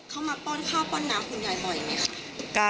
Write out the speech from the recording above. เขามาป้อนข้าวป้อนน้ำคุณยายบ่อยไหมคะ